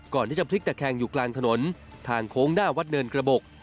พลิกตะแคงอยู่กลางถนนทางโค้งหน้าวัดเนินกระบบ